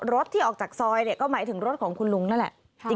รถที่ออกจากซอยก็หมายถึงรถของคุณลุงนั่นแหละ